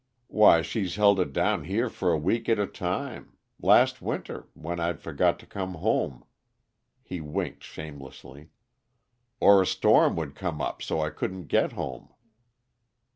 Why, she's held it down here for a week at a time last winter, when I'd forgot to come home" he winked shamelessly "or a storm would come up so I couldn't get home.